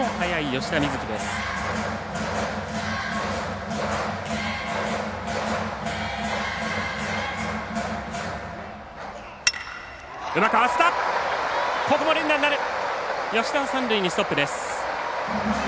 吉田は三塁ストップです。